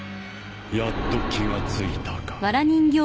やっと気が付いたか。